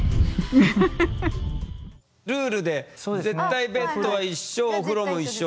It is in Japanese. ルールで絶対ベッドは一緒お風呂も一緒。